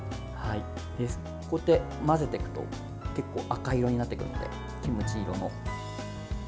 こうやって混ぜていくと結構赤色になっていくのでキムチ色の。